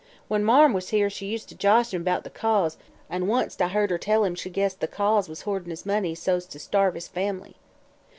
When Marm was here she used to josh him about the 'Cause,' an' once I heard her tell him she guessed the Cause was hoardin' his money so's to starve his family.